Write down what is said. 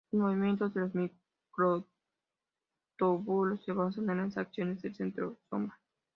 Los movimientos de los microtúbulos se basan en las acciones del centrosoma.